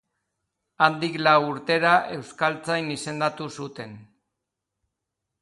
Handik lau urtera euskaltzain izendatu zuten.